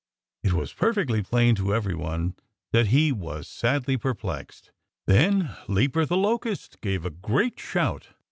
It was perfectly plain to everyone that he was sadly perplexed. Then Leaper the Locust gave a great shout.